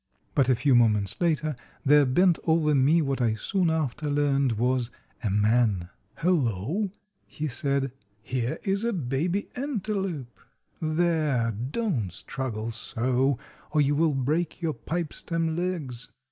But a few moments later there bent over me what I soon after learned was a man. "Hello!" he said, "here is a baby antelope. There—don't struggle so, or you will break your pipe stem legs."